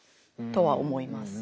とは思います。